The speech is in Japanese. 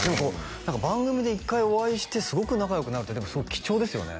番組で一回お会いしてすごく仲良くなるってすごい貴重ですよね